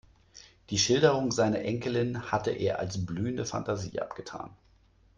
Die Schilderungen seiner Enkelin hatte er als blühende Fantasie abgetan.